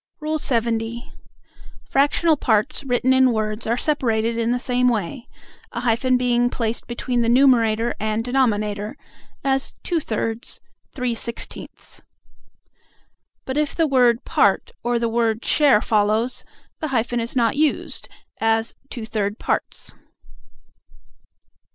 LXX. Fractional parts written in words are separated in the same way, a hyphen being placed between the numerator and denominator; as "two thirds," "three sixteenths." But if the word "part" or the word "share" follows, the hyphen is not used; as "two third parts."